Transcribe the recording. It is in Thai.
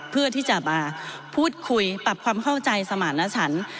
เพื่อที่จะมาพูดคุยปรับความเข้าใจสมารณชัน